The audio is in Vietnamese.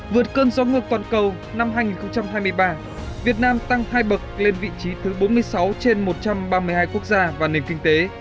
vượt cơn gió ngược toàn cầu năm hai nghìn hai mươi ba việt nam tăng hai bậc lên vị trí thứ bốn mươi sáu trên một trăm ba mươi hai quốc gia và nền kinh tế